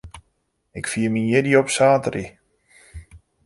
Ik fier myn jierdei op saterdei.